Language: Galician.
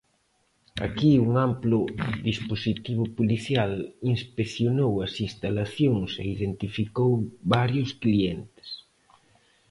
Aquí, un amplo dispositivo policial inspeccionou as instalacións e identificou varios clientes.